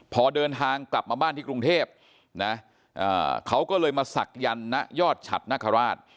พอเดินทางกลับมาบ้านที่กรุงเทพนะเขาก็เลยมาศักยันต์ณยอดฉัดนคราช